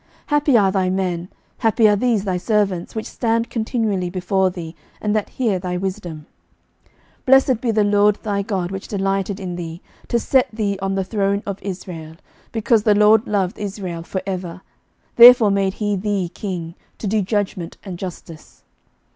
11:010:008 Happy are thy men, happy are these thy servants, which stand continually before thee, and that hear thy wisdom. 11:010:009 Blessed be the LORD thy God, which delighted in thee, to set thee on the throne of Israel: because the LORD loved Israel for ever, therefore made he thee king, to do judgment and justice.